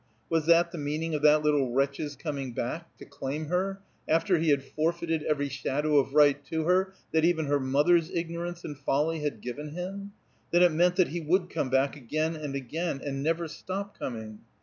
Was that the meaning of that little wretch's coming back to claim her after he had forfeited every shadow of right to her that even her mother's ignorance and folly had given him? Then it meant that he would come back again and again, and never stop coming.